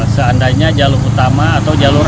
seandainya jalur utama atau jalur